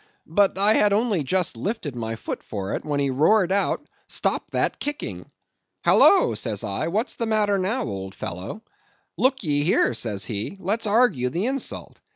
But I had only just lifted my foot for it, when he roared out, 'Stop that kicking!' 'Halloa,' says I, 'what's the matter now, old fellow?' 'Look ye here,' says he; 'let's argue the insult.